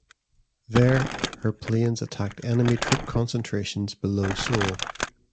There, her planes attacked enemy troop concentrations below Seoul.